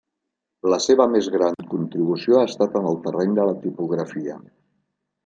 La seva més gran contribució ha estat en el terreny de la tipografia.